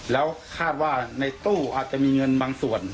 แล้วคาดว่าในตู้อาจจะมีเงินบางส่วน